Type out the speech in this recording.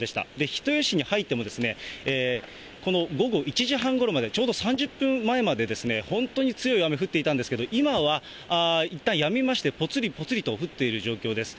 人吉市に入ってもこの午後１時半ごろまで、ちょうど３０分前まで、本当に強い雨降っていたんですけれども、今はいったんやみまして、ぽつりぽつりと降っている状況です。